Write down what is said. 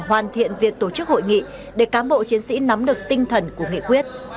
hoàn thiện việc tổ chức hội nghị để cán bộ chiến sĩ nắm được tinh thần của nghị quyết